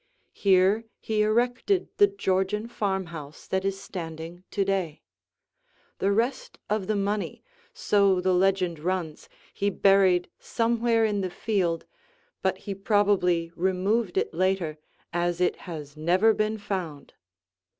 Here he erected the Georgian farmhouse that is standing to day. The rest of the money, so the legend runs, he buried somewhere in the field, but he probably removed it later, as it has never been found.